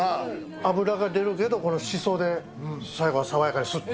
脂が出るけど、このしそで、最後は爽やかに、すっと。